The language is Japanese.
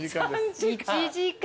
１時間。